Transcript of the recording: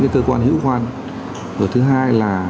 rồi thứ hai là